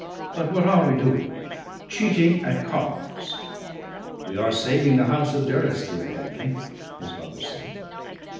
But what are we doing? Cheating at cards!" "We are saving the house of Durrisdeer, Henry," his father said.